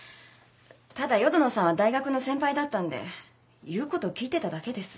ただ淀野さんは大学の先輩だったんで言うことを聞いてただけです。